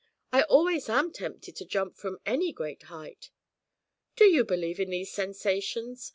I always am tempted to jump from any great height. Do you believe in these sensations?